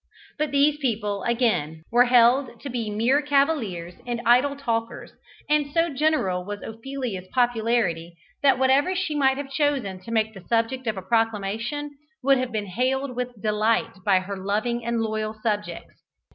But these people, again, were held to be mere cavillers and idle talkers, and so general was Ophelia's popularity that whatever she might have chosen to make the subject of a proclamation would have been hailed with delight by her loving and loyal subjects.